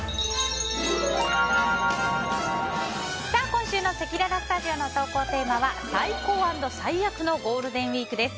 今週のせきららスタジオの投稿テーマは最高＆最低のゴールデンウィークです。